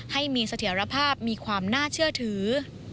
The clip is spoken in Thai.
ให้มีเสถียรภาพมีความน่าเชื่อถือ